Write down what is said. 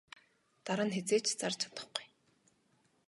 Дараа нь хэзээ ч зарж чадахгүй.